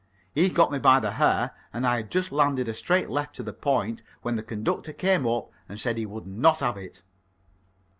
He got me by the hair, and I had just landed a straight left to the point when the conductor came up and said he would not have it.